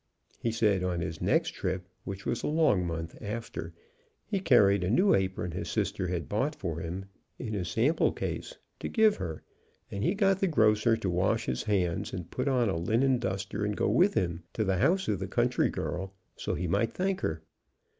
He said on his next trip, which was a long month after, he carried a new apron his sister had bought for him, in his sample case, to give her, and he got the grocer to wash his hands and put on a linen duster and go with him to the house of the country girl, so he might thank her.